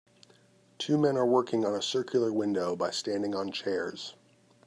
Two men are working on a circular window by standing on chairs